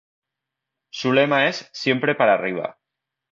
Su lema es "Siempre para arriba".